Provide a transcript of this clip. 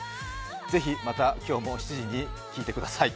ぜひまた今日も７時に聴いてください。